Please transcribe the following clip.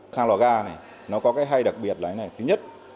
sang lò ga này nó có cái hay đặc biệt là cái này thứ nhất